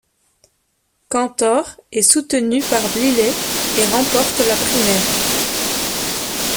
Cantor est soutenu par Bliley et remporte la primaire.